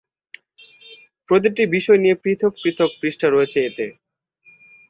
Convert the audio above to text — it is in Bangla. প্রতিটি বিষয় নিয়ে পৃথক পৃথক পৃষ্ঠা রয়েছে এতে।